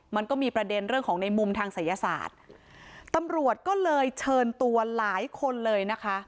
มันก็มีประเด็นเรื่องของในมุมทางศัยศาสตร์ตำรวจก็เลยเชิญตัวหลายคนเลยนะคะ